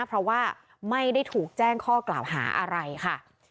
เพราะว่าไม่ได้ถูกแจ้งข้อกล่าวหาอะไรค่ะ